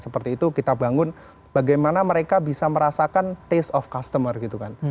seperti itu kita bangun bagaimana mereka bisa merasakan taste of customer gitu kan